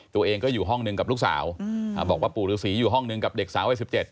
ตัวเองก็อยู่ห้องหนึ่งกับลูกสาวบอกว่าปู่ฤษีอยู่ห้องนึงกับเด็กสาววัย๑๗